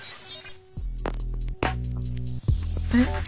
あれ？